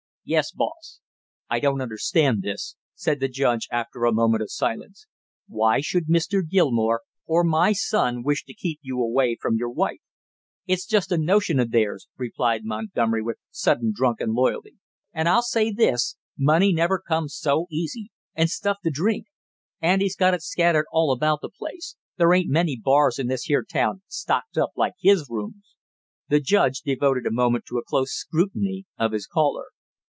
"Yes, boss " "I don't understand this!" said the judge after a moment of silence. "Why should Mr. Gilmore or my son wish to keep you away from your wife?" "It's just a notion of theirs," replied Montgomery with sudden drunken loyalty. "And I'll say this money never come so easy and stuff to drink! Andy's got it scattered all about the place; there ain't many bars in this here town stocked up like his rooms!" The judge devoted a moment to a close scrutiny of his caller.